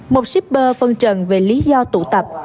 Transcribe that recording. một shipper phân trần về lý do tụ tập